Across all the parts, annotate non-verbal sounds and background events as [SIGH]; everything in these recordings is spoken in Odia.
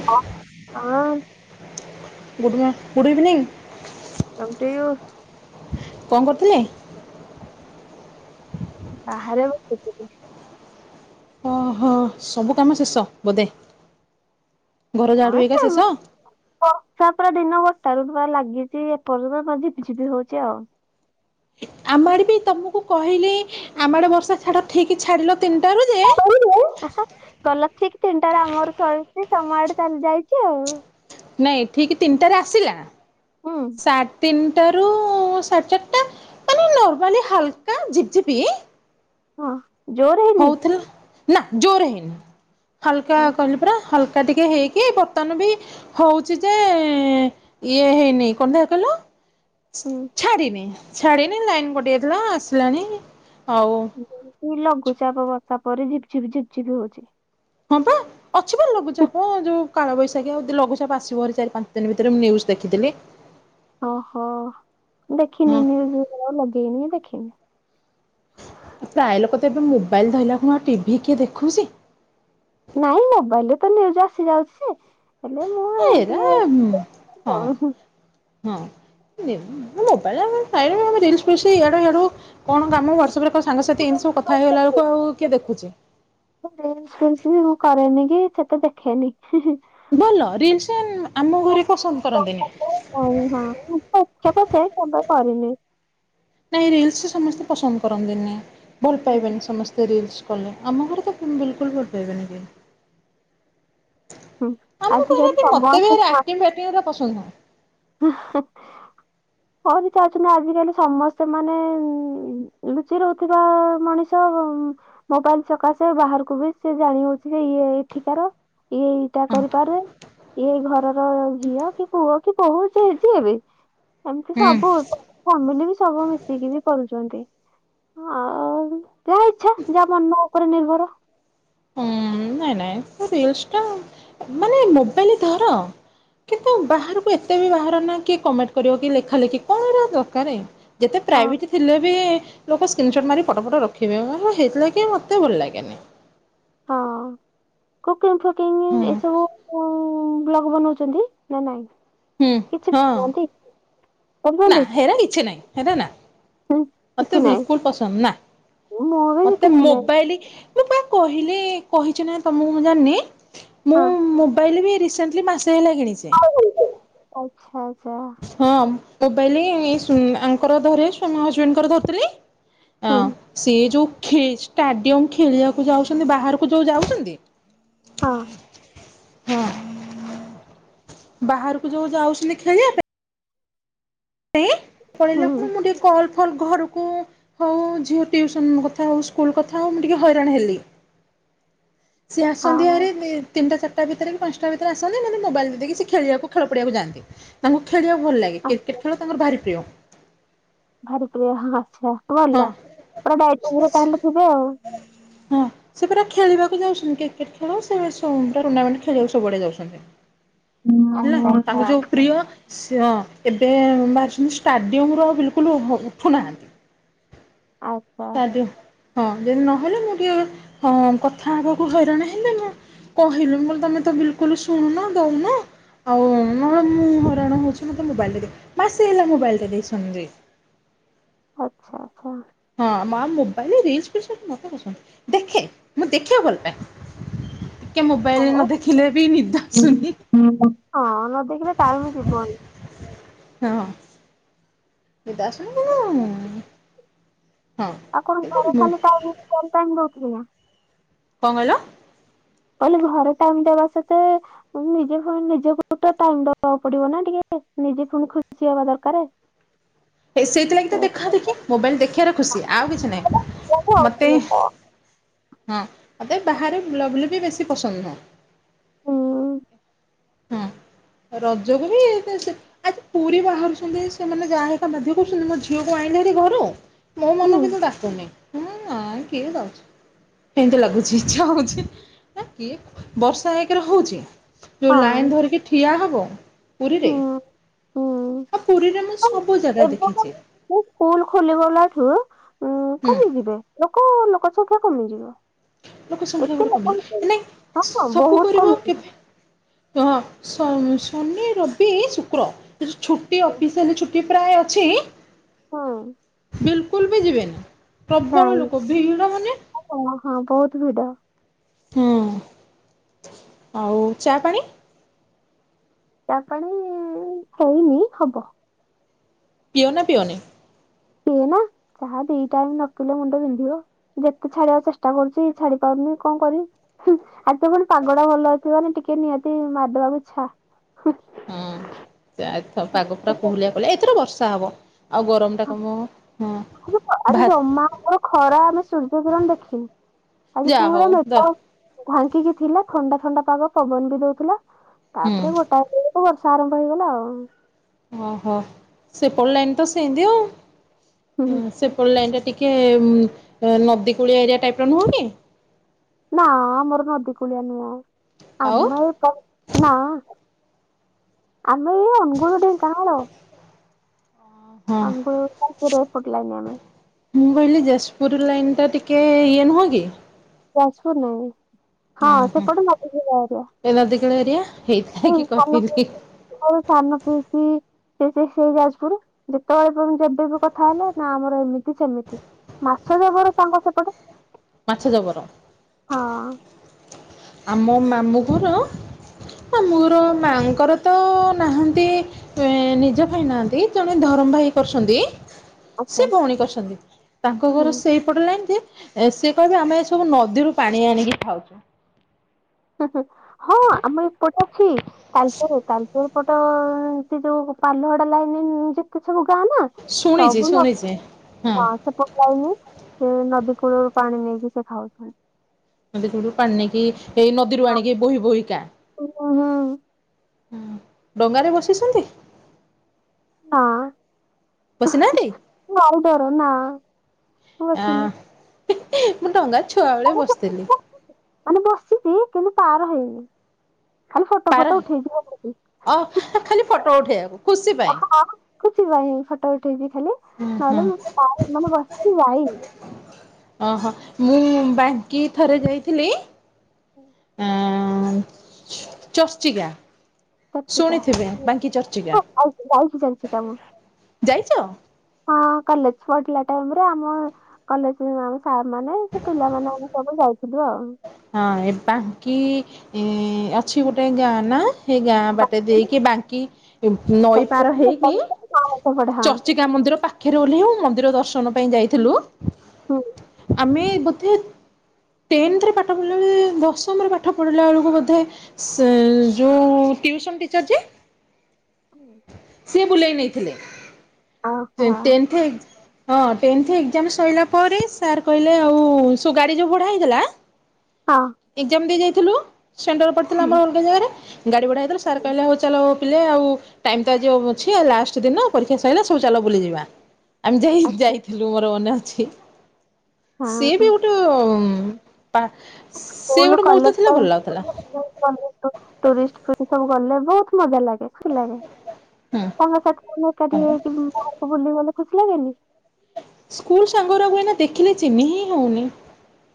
[UNINTELLIGIBLE] ଗୁଡ଼ମ good evening. Same to you. କଣ କରୁଥିଲ? ବାହାରେ ବସିଥିଲି। ଓହୋ ସବୁ କାମ ଶେଷ ବୋଧେ ଘର ଝାଡୁ ହଁ ହେକା ଶେଷ। ସେମିତି ବର୍ଷା ପୁରା ଦିନ ବର୍ଷା ଋତୁ ଲାଗିଛି ଏପର୍ଯ୍ୟନ୍ତ ଝିପିଝିପି ହଉଛି ଆଉ। ଆମ ଆଡ଼େ ବି ତମକୁ କହିଲି ଆମ ଆଡ଼େ ବର୍ଷା ଛାଡ ଠିକ ଛାଡିଲା ତିନିଟାରୁ ଯେ ଆହା ଭଲ ଠିକ ତିନିଟାରେ ଆମର ସରିଛି ତମ ଆଡେ ତାହେଲେ ଯାଇଛି ଆଉ। ନାଇଁ ଠିକ ତିନିଟାରେ ଆସିଲା ହୁଁ ସାଢ଼ ତିନି ଟାରୁ ସାଢେ ଚାରଟା ମାନେ ନର୍ମାଲି ହାଲକା ଝିପ୍ ଝିପି ହଁ ଜୋର ହେଇନି? ନା ଜୋରେ ହେଇନି ହାଲକା ହଁ କହିଲି ପରା ହାଲକା ଟିକେ ହେଇକି ବର୍ତ୍ତମାନ ବି ହଉଚି ଯେ ଇଏ ହେଇନି କଣ ଦେଖିଆ କହିଲ? ହୁଁ ଛାଡିିନି ଛାଡିନି ଲାଇନ୍ କଟିଯାଇଥିଲା ଆସିଲାଣିି ଆଉ ପୁଣି ଲଘୁଚାପ ବର୍ଷା ପରେ ଝିପ୍ ଝିପ୍ ଝିପ୍ ଝିପ୍ ହଉଚି। ହଁ ପା। ଅଛି ପା ଲଘୁଚାପ ଯୋଉ କାଳବୈଶାଖୀ ଆଉ ଲଘୁଚାପ ଆସିବ ହେରି ଚାରି ପାଞ୍ଚ ଦିନି ଭିତରେ ମୁଁ ନ୍ୟୁଜ୍ ଦେଖିଥିଲି। ଓହୋ ଦେଖିନି ହଁ ନିଉଜ୍ ଲଗେଇନି ଦେଖିନି। ପ୍ରାୟ ଲୋକ ତ ଏବେ ମୋବାଇଲ୍ ଧଇଲା ଖୁଣୁ ଆଉ ଟିଭି କିଏ ଦେଖୁଚି? ନାଇଁ ମୋବାଇଲରେ ତ ନିଉଜ୍ ଆସି ଯାଉଚି ଯେ। ହେଲେ ମୁଁ ଏରା ହଁ ଟିକେ [UNINTELLIGIBLE] ହଁ ନେ ମୋବାଇଲ୍ ଟା [UNINTELLIGIBLE] ରିଲ୍ସ ଇଆଡୁ ହିଆଡୁ। କଣ କାମ ୱାଟସପରେ କୋଉ ସାଙ୍ଗସାଥି ଏମିତି ସବୁ କଥା ହେଇଗଲା ବେଳୁକୁ ଆଉ କିଏ ଦେଖୁଛି? ରିଲ୍ସ ଫିଲ୍ସ ବି ମୁଁ କରେନି କି ସେତେ ଦେଖେନି। ଭଲ ରିଲ୍ସ ଆମ ଘରେ ପସନ୍ଦ କରନ୍ତିନି [UNINTELLIGIBLE] ଭଲ କରିନି। ନାଇଁ ରିଲ୍ସ ସମସ୍ତେ ପସନ୍ଦ କରନ୍ତିନି ଭଲ ହୁଁ ପାଇବେନି ସମସ୍ତେ ରିଲ୍ସ। କଲେ ଆମ ଘରେ ତ ବିଲକୁଲ୍ ବି ଉଠେଇବେନି କେହି। ହୁଁ ଆଜିକାଲି ସମସ୍ତେ ମୋତେ ଏରା ପସନ୍ଦ ନୁହଁ। [UNINTELLIGIBLE] [UNINTELLIGIBLE] ଆଜିିକାଲି ସମସ୍ତେ ମାନେ ଲୁଚି ରହୁଥିବା ମଣିଷ ମୋବାଇଲ୍ ସକାଶେ ବାହାରକୁ ବି ସେ ଜାଣି ହଉଚି ଯେ ଇଏ ଏଠିକାର। ଇଏ ଏଇଟା କରିପାରେ। ଇଏ ଘରର ଝିଅ କି ପୁଅ କି। କହୁଚି [UNINTELLIGIBLE] ହେବି। ଏମିତି ହୁଁ। ସବୁ। ଫ୍ୟାମିଲି ବି ସବୁ ମିଶିକି ବି କରୁଚନ୍ତି। ହଁ ଆଉ ଯାହା ଇଛା ଯାହା ମନ ଉପରେ ନିର୍ଭର। ହୁଁ ନାଇଁ ନାଇଁ ରିଲ୍ସ ଟା ମାନେ ମୋବାଇଲ ଧର କିନ୍ତୁ ବାହାରୁକୁ ଏତେ ବି ବାହାର ନା କିଏ କମେଣ୍ଟ କରିବ କି ଲେଖା ଲେଖି କଣ ଦରକାରେ। ଯେତେ ହଁ ପ୍ରାଇଭେଟ ଥିଲେ ବି ଲୋକ ସ୍କିନ୍ ସଟ୍ ମାରି ଫଟ ଫଟ ରଖିବେ ହେଗୁଡ଼ା କି ମତେ ଭଲ ଲାଗେନି। ହଁ କୁକିଂ ଫୁକିଂ ହୁଁ ଏସବୁ ମୁଁ ବ୍ଲଗ ବନଉଚନ୍ତି ନା ନାଇଁ ହୁଁ କିଛି ହଁ କୁଅନ୍ତି? ନା ହେରା କିଛି ନାଇଁ ହେରା ନା। ମତେ କିଛି ନାହିଁ ବିଲକୁଲ୍ ପସନ୍ଦ ନା ମୁଁ ବି ମତେ କିଛି ନାହିଁ ମୋବାଇଲି ମୁଁ ପା କହିଲି କହିଚ ନା ତମକୁ ମୁଁ ଜାଣିନି। ହଁ। ପଇଲେ ବି ରିସେଣ୍ଟଲି ମାସେ ହେଲା କିଣିଚେ। ଆଛା ଆଛା। ହଁ ମୋବାଇଲି ଏସୁ ଆଙ୍କର ଧରେ ସ ମୋ ହଜବେଣ୍ଡଙ୍କର ଧରୁଥିଲି ଅଁ ହୁଁ ସେ ଯୋଉ ଖେ ଷ୍ଟାଡିୟମ୍ ଖେଳିଆକୁ ଯାଉଚନ୍ତି, ବାହାରକୁ ଯୋଉ ଯାଉଚନ୍ତି ହଁ। ହଁ। ବାହାରୁକୁ ଯୋଉ ଯାଉଚନ୍ତି ଖେଳିଆ ପାଇଁ ଇଁ ହୁଁ କଣ ମୁଁ ଟିକେ କଲ୍ ହଲ୍ ଘରୁକୁ ହୋଉ, ଝିଅ ଟିଉସନ୍ କଥା ହୋଉ ସ୍କୁଲ୍ କଥା ହୋଉ, ମୁଁ ଟିକେ ହଇରାଣ ହେଲି। ସିଏ ଆସନ୍ତି ହଁ ହାରି ଦେ ତିନିଟା, ଚାରିଟା ଭିତରେ, ବି ପାଞ୍ଚଟା ଭିତରେ ଆସନ୍ତି ମତେ ମୋବାଇଲ୍ ଟା ଦେଇ ଦେଇକି ସେ ଖେଳିଆକୁ ଖେଳ ପଡିଆକୁ ଯାଆନ୍ତି। ତାଙ୍କୁ ଖେଳିବାକୁ ଭଲ ଲାଗେ। ଆ- କ୍ରିକେଟ୍ ଖେଳ ତାଙ୍କର ଭାରି ପ୍ରିୟ। ଭାରିପ୍ରିୟ ହଁ ଆଛା, ହଁ ଭଲ ପୁରା ଡା ତାହେଲେ ଥିବେ ଆଉ। ହଁ ସେ ପୁରା ଖେଳିବାକୁ ଯାଉଛନ୍ତି। କ୍ରିକେଟ୍ ଖେଳ, ସେ ସୋ ଟୁର୍ଣ୍ଣାମେଣ୍ଟ ଖେଳିଵାକୁ ସବୁଆଡ଼େ ଯାଉଛନ୍ତି। ହେଲା ଆଚ୍ଛା ତାଙ୍କୁ ଯୋଉ ପ୍ରିୟ ସେ ହ ଏବେ ବାହାରିଛନ୍ତି ଷ୍ଟାଡ଼ିୟମ୍ ରୁ ବିଲୁକୁଲ୍ ଉଠୁନାହାନ୍ତି। ଆଚ୍ଛା। ହଁ ତାଦିଅ ଯଦି ନହେଲେ, ମୁଁ ଟିକେ ହଁ କଥା ହେବାକୁ ହଇରାଣ ହେଲେ, ମୁଁ କହିଲି ମୁ ତମେ ତ ବିଲୁକୁଲ୍ ଶୁଣୁନ ଦୋଉନ। ଆଉ ନା, ମୁଁ ହଇରାଣ ହେଉଛି ମୋତେ ମୋବାଇଲ୍ ଟେ ଦିଅ। ମାସେ ହେଲା ମୋବାଇଲ୍ ଟା ଦେଇଛନ୍ତି ଯେ। ଆଚ୍ଛା ଆଚ୍ଛା। ହଁ ମା ମୋବାଇଲ୍ ରିଲ୍ସ୍ ଫିଲ୍ସ୍ ମତେ ପସନ୍ଦ ନୂହେଁ, ଦେଖେ ମୁଁ ଦେଖିବାକୁ ଭଲ ପାଏ। ଟିକେ ମୋବାଇଲ୍ ନ ଦେଖିଲେ ବି ନିଦ ଆଶୁନି। ହ ପା ହଁ ନ ଦେଖିଲେ ଟାଇମ୍ ଯିବନି। ହଁ। ଏ ଦାସୁନ କ [UNINTELLIGIBLE] ନା ଆଉ କଣ ଘର ମୁଁ କାମ ଖାଲି [UNINTELLIGIBLE] କରିପାରୁନଥିବ। କଣ କହିଲ? କହିଲି ଘର ଟାଇମ୍ ଦେବା ସ୍ଵତେ ନିଜେ ଫୁଣି ନିଜକୁ ତ ଟାଇମ୍ ଦବାକୁ ପଡିବ ନା ଟିକେ, ନିଜେ ଫୁଣି ଖୁସି ହବା ଦରକାର। [UNINTELLIGIBLE] ହେ ତ ସେଇଥିଲାଗିତ ଦେଖା ଦେଖି, ମୋବାଇଲ୍ ଦେଖିବାର ଖୁସି ଆଉ କିଛି ହୁଁ ନାହିଁ। ମୋତେ ହୁଁ [UNINTELLIGIBLE] ହଁ ମତେ ବାହାରେ ବୁଲାବୁଲି ବି ବେଶୀ ପସନ୍ଦ ନୁହଁ। ହଁ ରଜକୁ ବି ସେ ଆ ପୁରୀ ବାହାରୁଛନ୍ତି ସେମାନେ ଯା ବାଧ୍ୟ କରୁଛନ୍ତି, ମୋ ଝିଅକୁ ଆଇଁଲେ ହାରିି ଘରୁ, ମୋ ମନ କିନ୍ତୁ ଡାକୁନି। ହୁଁ ନାଇଁ କିଏ ଯାଉଛି। ଏମ୍ତି ଲାଗୁଛି ଇଛା ହୋଉଛି। ନା କିଏ ବର୍ଷା ଏକ୍ ରେ ହଉଛି। ଯୋଉ ଲାଇନ୍ ହଁ ଧରିକି ଠିଆ ହବ ପୁରୀରେ, ହୁଁ ହୁଁ ଆଉ ପୁରୀରେ ମୁଁ ସବୁ ଜାଗା ଏବେ କଣ ଦେଖିଛି ସ୍କୁଲ୍ ଖୋଲିଗଲାଠୁ ଉଁ ହୁଁ କମି ଯିବେ, ଲୋକ ଲୋକ ସଂଖ୍ୟା କମିଯିବ। ଲୋକ ସଂଖ୍ୟା ଏତେ ଆହୁରି ଲୋକ କମିବେ, ଏ ହେବେନି ନାଇ ହଁ ହଁ ସବୁ ବହୁତ କରିବ କମିଯିବ କେବେ ହଁ ସ-ଶନି, ରବି, ଶୁକ୍ର ସେ ଯୋଉ ଛୁଟି ଅଫିସିଆଲି ଛୁଟି ପ୍ରାୟ ଅଛି ହଁ। ବିଲ୍ କୁଲ୍ ବି ଯିବେନି। ପ୍ରବଳ ଲୋକ ଭିଡ଼ ମାନେ ହ ହଁ ବୋହୁତ୍ ଭିଡ। ହୁଁ। ଆଉ ଚା ପାଣି? ଚା ପାଣି ହେଇନି ହବ। ପିଓ ନା ପିଓନି? ପିଏ ନା, ଚାହା ଦି ଟାଇ ନ ପିଲେ ମୁଣ୍ଡ ଵିନ୍ଧିବ। ଯେତେ ଛାଡିବା ଚେଷ୍ଟା କରୁଛି, ଛାଡି ପାରୁନି କଣ କରିବି? ଆଜି ତ ପୁଣି ପାଗ ଟା ଭଲ ଅଛି, ମାନେ ଟିକେ ନିହାତି ମାରିଦବାକୁ ଇଚ୍ଛା। ହୁଁ ପାଗ ପୁରା କୁହୁଲିଆ କଲା, ଏଥର ବର୍ଷା ହବ। ଆଉ ଗରମ ଟା କମିବ ହଁ। ଆଜି ଭା ଜମା ଆମର ଖରା, ଆମେ ସୂର୍ଯ୍ୟକିରଣ ଦେଖିନୁ। ଆଜି ଯାହା ହଉ ପୁରା ଦ ମେଘ ଭାଙ୍କିକି ଥିଲା ଥଣ୍ଡା ଥଣ୍ଡା ପାଗ ପବନ ବି ଦଉଥିଲା ହୁଁ ତାପରେ ଗୋଟା କୁ ବର୍ଷା ଆରମ୍ଭ ହେଇଗଲା ଆଉ। ଓହୋ ସେପଟ ଲାଇନ୍ ତ ସେମିତିି ଆଉ। ହୁଁ ହୁଁ ସେ ସେପର ଲାଇନ୍ ଟା ଟିକେ ନଦୀ କୂଳିଆ ଏରିଆ ଟାଇପ ର ନୁହକି? ନା ଆମର ନଦିକୁଳିଆ ନୁହ ଆଉ ଆମେ ଏ ପ ନା ଆମେ ଏଇ ଅନଗୁଳ, ଢେଙ୍କାନାଳ ଆଉ। ହଁ ଆମେ [UNINTELLIGIBLE] ପଟ ଲାଇନ ଆମେ। ମୁଁ କହିଲି ଯାଜପୁର ଲାଇନ୍ ଟା ଟିକିଏ ଇଏ ନୁହଁ କି? ଯାଜପୁର ନୁହଁ। ହଁ ହୁଁ ହୁଁ। ସେପଟେ ନଦି ବି ବାହାରିବ ଏ ନଦୀକୂଳ ଏରିଆ ହେଇଥିଲାଗି କହିଲି [UNINTELLIGIBLE] ହ ସାନ ପିଉସୀ ସେ ସେ ସେଇ ଯାଜପୁର, ଯେତେବେଳେ ପ ଯେବେ ବି କଥା ହେଲେ ନା ଆମର ଏମିତି ସେମିତି ମାଛ ଜବର ତାଙ୍କ ସେପଟ। ମାଛ ଜବର ହଁ। ଆମ ମାମୁଁ ଘର, ଆମଁର ମାଆଙ୍କର ତ ନାହାନ୍ତି ନିଜ ଭାଇ ନାହାନ୍ତି, ଜଣେ ଧରମ ଭାଇ କରୁଛନ୍ତି। ଆଚ୍ଛା ସେ ଭଉଣୀ କରଛନ୍ତି, ତାଙ୍କ ହୁଁ ଘର ସେଇ ଏପଟ ଲାଇନ ଯେ ସେ କହିବେ ଆମେ ସବୁ ନଦୀରୁ ପାଣି ଆଣିକି ଖାଉଛୁ। ହୁଁ ହୁଁ ହଁ ଆମ ଏପଟେ ଅଛି ତାଲଚେରେ, ତାଲଚେରେ ଗୋଟେ ସେ ଯୋଉ ପାଲହଡା ଲାଇନ ଦେ ସବୁ ଗାଁ ନା ଶୁଣିଛି ସବୁ ନ ଶୁଣିଛି ହଁ। ଯାଇନି, ସେ ନଦୀ କୂଳରୁ ପାଣି ନେଇକି ସେ ଖାଉଛନ୍ତି। ନୀ ସବୁ ପାଣି ନେଇକି ଏଇ ନଦୀରୁ ଆଣିକି ବୋହି ବୋହି କା ଓହୋ। ହଁ ଡଙ୍ଗାରେ ବସିଛନ୍ତି? ହଁ ତ ବସିନାହାନ୍ତି? ଭାରି ଡର, ନା ତ ଆ ବସିନି। ମୁଁ ଡଙ୍ଗାରେ ଛୁଆବେେଳେ ବସିଥିଲି। ମାନେ ବସିଛି କିନ୍ତୁ ପାର ହେଇନି। ଖାଲି ଫଟୋ ପାର ଫଟୋ ଉଠେଇଛି ଖାଲି। ଅ ଖାଲି ଫଟୋ ଉଠେଇବାକୁ ଖୁସି ପାଇଁ। କିଛି ନାଇଁ, ଫଟୋ ଉଠେଇଛିି ଖାଲି, ହୁଁ ହୁଁ ନହେଲେ ମୁ [UNINTELLIGIBLE] ମାନେ ବସିକି ଯାଇନି। ଓହୋ ମୁଁ ବାଙ୍କି ଥରେ ଯାଇଥିଲି [INAUDIBLE] ଆ ଚର୍ଚ୍ଚିକା। ଶୁଣିଥିବେ ବାଙ୍କି ଚର୍ଚ୍ଚିକା ଚର୍ଚ୍ଚିକାହଁ ଯାଇଛି ଚାଞ୍ଚିକା ମୁଁ। ଯାଇଛ? ହଁ କଲେଜ ପଡିଲା ଟାଇମରେ ଆମ କଲେଜ ତା ମାନେ ସେ ପିଲାମାନୋନ ଆମେ ସବୁ ଯାଉଥିଲୁ ଆଉ। ହଁ ଏ ବାଙ୍କି ଅଛି ଗୋଟେ ଗାଁ ନା? ଗାଁ ବାଟେ ଦେଇକି ବାଙ୍କି ନଈ ପାର ହେଇକି ପଢେ ଚର୍ଚ୍ଚି ହଁ। ଚର୍ଚ୍ଚିକା ମନ୍ଦିର ପାଖରେ ଓଲ୍ହେଇବୁ ହ ମନ୍ଦିର ଦର୍ଶନ ପାଇଁ ଯାଇଥିଲୁ। ହୁଁ। ଆମେ ବୋଧେ ଟେନ୍ଥ ରେ ପାଠ ପଢ଼ିଲା ବେଳେ, ଦଶମରେ ପାଠ ପଢ଼ିଲା ବଳକୁ ବୋଧେ ଯେଉଁ ଟିଉସନ୍ ଟିଚର୍ ଯେ ହୁଁ ବୁଲେଇ ନେଇଥିଲେ ଓହୋ ହଁ ଟେନ୍ଥ ଏକ୍ଜାମ ସରିଲା ପରେ ସାର୍ କହିଲେ ଆଉ ସ ଗାଡ଼ି ଯୋଉ ଭଡ଼ା ହେଇଥିଲା ହଁ ଏଜାମ ଦେଇ ଯାଇଥିଲୁ ସେଣ୍ଟର ପଡିଥିଲା ଆମର ହୁଁ ଅଲଗା ଜାଗାରେ ଗାଡି ଭଡା ହେଇଥିଲଥିଲା ସାର୍ କହିଲେ ହଉ ଚାଲ ପ ଆଉ ଟାଇମ ତ ଆଜି ଅଛି ଲାଷ୍ଟ ଦିନ ପରୀକ୍ଷା ସରିଲା ସବୁ ଚାଲ ବୁଲିଯିବ। ଆମେ ଯାଇ ଆଚ୍ଛା ଯାଇଥିଲୁ ମୋର ମନେ ଅଛି। ସିଏ ବି ହଁ ଗୋଟେ ପା ସି ସ୍କୁଲ ଗୋଟେ କଲେଜ ମୁହୂର୍ତ୍ତ ଥିଲା ଭଲ ଲାଗୁଥିଲା। [UNINTELLIGIBLE] ଟୁରିଷ୍ଟ ଫ ସବୁ ଗଲେ ବହୁତ ମଜା ଲାଗେ ଖୁସି ଲାଗେ। ହୁଁ। ତାଙ୍କ ସାଥିେ ଏକାଠି ହେଇ ବାହାରକୁ ବୁଲିବାକୁ ଖୁସି ଲାଗେନି? ସ୍କୁଲ ସାଙ୍ଗରେ ଭୁଏ ନା ଦେଖିଲେ ଚିହ୍ି ହିଁ ହଉନି।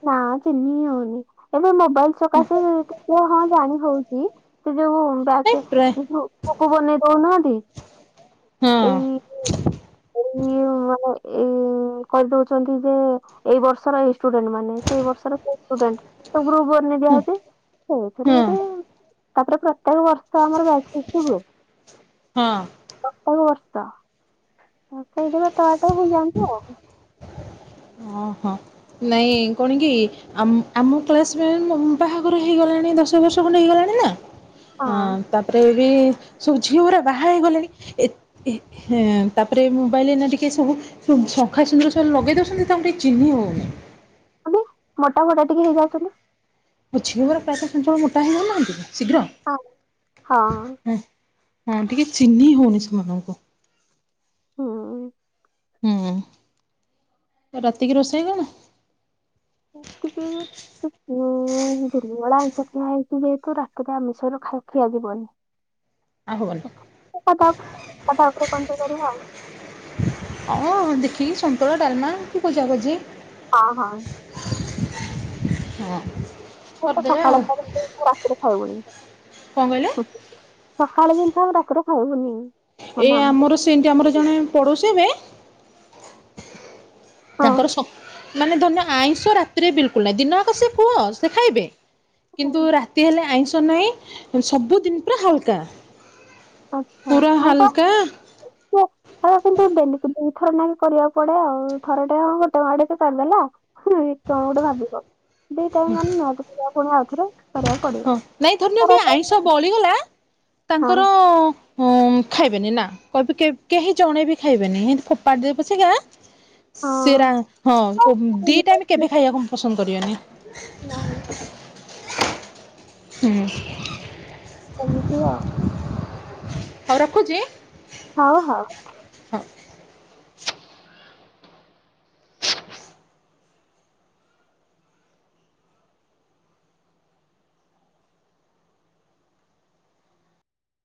ନା ଚିନୀ ହଉନି ଏବେ ମୋବାଇଲ ସକାଶେ ଟିକେ ହଁ ଜାଣି ହଉଛି। ନାଇଁ ଯୋଉବାଚ ପ୍ରା [UNINTELLIGIBLE] ବନେଇ ଦଉନାହାନ୍ତି? ହଁ ଏଇ [UNINTELLIGIBLE] ଏଇ ମାନେ। ଏଇ କହିଁଦୋଉଛନ୍ତି ଯେ ଏଇ ବର୍ଷର ଏଇ ଷ୍ଟୁଡେଣ୍ଟ ମାନେ ସେଇ ବର୍ଷର ସେଡଣ୍ଟ। ଗ୍ରୁପ୍ ବନେଇ ଦିଆ ହୁଁ ହଉଛି ସେଥିରେ ହଁ ବୋଧେ ତାପରେ ପତେ ପ୍ରତ୍ୟେକ ବର୍ଷ ଆମର ବ୍ୟାଚ୍ ଫିଷ୍ଟି ହୁଏ। ହଁ ପତେକ ବର୍ଷ [UNINTELLIGIBLE] ବାଟ ହ ଯାଛୁ ଆଉ। ଓହୋ ନାଇଁ କଣ କି ଆମ ଆମ କ୍ଲାସମେଟ ବାହାଘର ହେଇଗଲାଣି ଦଶ ବର୍ଷ ଖଣ୍ଡେ ହେଇଗଲାଣି ନା? ହଁ ତାପରେ ବି ସବୁ ଝିଅ ଉରା ବାହା ହେଇଗଲେଣି। ଏ ଏ ତାପରେ ମୋବାଇଲରେ ନା ଟିକେ ସବୁ ଶଙ୍ଖା ସୁନ୍ଦର ସବୁ ଲଗେଇ ଦଉଛନ୍ତି। ତାକୁ ଚିହିଁ ହେଉନି। ମାନେ ମୋଟା ମୋଟା ଟିକେ ହେଇଯାଉ ଛନ୍ତି। ଏ ଝିଅ ଉରା ପ୍ରାୟତଃ ସେଣ୍ଟର ମୋଟା ହେଉନାହାନ୍ତି ଶୀଘ୍ର। ହଁ ହଁ ହଁ ଟିକେ ଚିହ୍ନି ହଉନି ସେମାନଙ୍କୁ। ହଁ ହୁଁ ରାତିକି ରୋଷେଇ କଣ? ରାତିକି [UNINTELLIGIBLE] ଦିନ ବେଳା ଆମିଷ ଖିଆ ହେଇଛି ଯେହେତୁ ରାତିରେ ଆମିଷରୁ ଖାଇ ଖିଆଯିବନି। [UNINTELLIGIBLE] କଥା କଥାପରେ କଣ କରିବା ଆଉ। ହଁ ଦେଖିକି ସନ୍ତୁଳା ଡାଲମା କି ଭଜା ଭଜି। ହଁ ହଁ ହଁ ମୋର ତ କରିଦେବେ ସକାଳ ଆଉ ଥରେ ରାତିରେ ଖାଉନି କଣ କହିଲେ ହୁଁ ସକାଳ ଦିନିଶ ଆମେ ରାତିରେ ଖାଇବୁନି। ମାନେ ଏଇ ଆମ ଆମର ସେମତି ଆମର ଜଣେ ପଡୋଶୀ ହେବେ ତାଙ୍କର ସ ମାନେ ଧନ୍ୟ ଆଇଁଷ ରାତିରେ ବିଲକୁଲ ନାହିଁ। ଦିନ ଆକ ସେ କୁହ ସେ ଖାଇବେ କିନ୍ତୁ ହଁ ରାତି ହେଲେ ଆଇଁଷ ନାହିଁ ସବୁଦିନ ପୁରା ହାଲକା। ଆଚ୍ଛା ପୁରା ହାଲକା ହୁଁ କିନ୍ତୁ ଡେଲି ଦିଇଥର ନାକ କରିବାକୁ ପଡେ ଆଉ ଥର ଟେ କଣ ଗୋଟେଆଡେ [UNINTELLIGIBLE] ହୁଁ କଣ ଗୋଟେ ଭାବିବ ଦିଟା ମାନେ ନ ପୁଣି ଆଉଥରେ କରିବାକୁ ହଁ ପଡିବ। ନାଇଁ ଧନ୍ୟ ବି ଆଇଁଷ ବଳିଗଲା ହଁ ତାଙ୍କର ହଁ ଖାଇବେନି ନା କହିବି କେହି ଜଣେ ବି ଖାଇବେନି ଏମିତି ଫୋପାଡି ଦେବେ ପଛକା ହଁ ସେ ରା ହଁ ଦିଟାଇମି କେବେ ଖାଇବାକୁ ପସନ୍ଦ କରିବେନି। [UNINTELLIGIBLE] ହୁଁ କୋହୁଥୁବ। ହଉ ରଖୁଚି। ହଁ ହଁ। ହ। [INAUDIBLE]